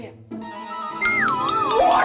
bocan gua bakal